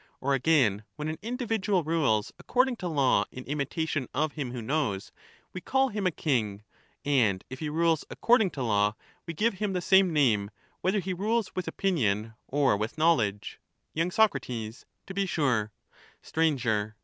Or again, when an individual rules according to law Thus in imitation of him who knows, we call him a king ; and if ^^^^^ he rules according to law, we give him the same name, thanoU whether he rules with opinion or with knowledge. ^^t' y Sac. To be sure. than Sir.